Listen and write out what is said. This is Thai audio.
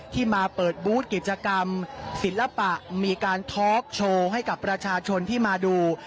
ที่มาเปิดบูธกิจกรรมศิลปะมีการทอล์กโชว์ให้กับประชาชนที่มาดู